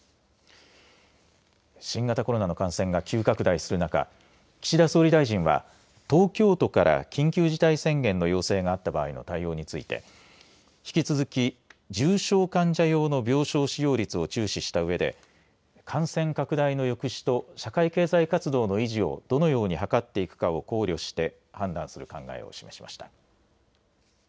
新型コロナの感染が急拡大する中岸田総理大臣は東京都から緊急事態宣言の要請があった場合の対応について引き続き重症患者用の病床使用率を注視したうえで感染拡大の抑止と社会経済活動の維持をどのように図っていくかを考慮して判断する考えを示しました。